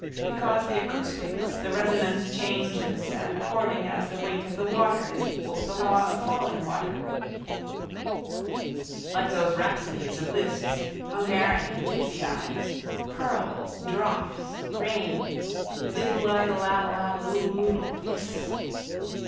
Because the acoustics, the resonance changes according as the weight of the water is equal to the law of falling water. Like those rhapsodies of Liszt's, Hungarian, gipsyeyed. Pearls. Drops. Rain. Diddleiddle addleaddle ooddleooddle. Hissss.